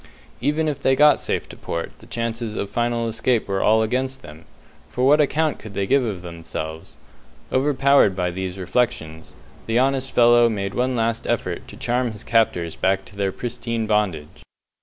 Even if they got safe to port, the chances of final escape were all against them, for what account could they give of themselves? Overpowered by these reflections, the honest fellow made one last effort to charm his captors back to their pristine bondage.